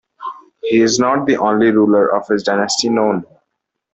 He is not the only ruler of his dynasty known.